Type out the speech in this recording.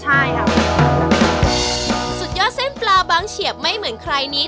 ใช่ค่ะสุดยอดเส้นปลาบางเฉียบไม่เหมือนใครนี้